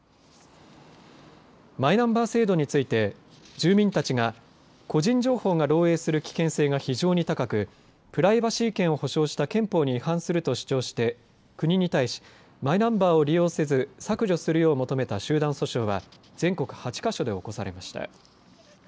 マイナンバー制度について住民たちが個人情報が漏えいする危険性が非常に高くプライバシー権を保障した憲法に違反すると主張して国に対しマイナンバーを利用せず削除するよう求めた集団訴訟は全国８か所で起こされました。